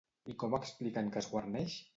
I com expliquen que es guarneix?